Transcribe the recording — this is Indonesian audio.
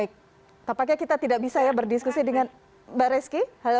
baik tampaknya kita tidak bisa berdiskusi dengan mbak reski halo oke